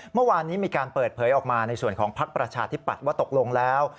เมื่อวานนี้มีการเปิดเผยออกมาในส่วนของภักดิ์ประชาธิปัตย์ว่าตกลงแล้ว